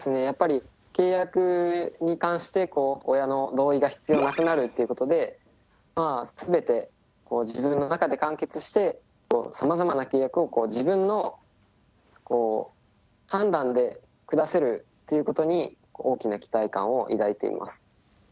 やっぱり契約に関して親の同意が必要なくなるということで全て自分の中で完結してさまざまな契約を自分の判断で下せるっていうことに大きな期待感を抱いています。